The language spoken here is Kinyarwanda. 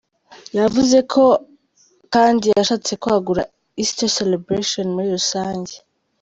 Yavuze ko kandi yashatse kwagura ‘Easter Celebration’ muri rusange.